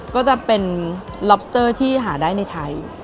ก็จะเป็นล็อบสเตอร์ที่หาได้ในไทย